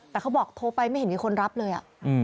แต่เขาบอกโทรไปไม่เห็นมีคนรับเลย